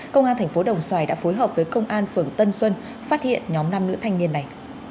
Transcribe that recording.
công an thành phố đồng xoài đã phối hợp với công an phường tân xuân phát hiện nhóm nam nữ thanh niên này